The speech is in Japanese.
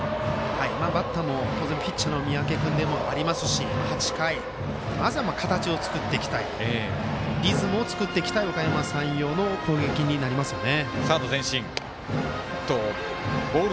バッターも、当然ピッチャー三宅君でもありますし８回、まずは形を作っていきたいリズムを作っていきたいおかやま山陽の攻撃になりますよね。